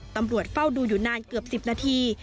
ตำรวจเฝ้าดูอยู่นานเกือบ๑๐นาที